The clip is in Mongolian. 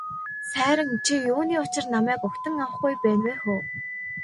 Сайран чи юуны учир намайг угтан авахгүй байна вэ хө.